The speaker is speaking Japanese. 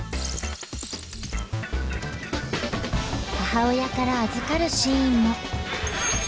母親から預かるシーンも。